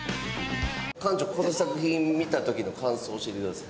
館長この作品を見た時の感想を教えてください。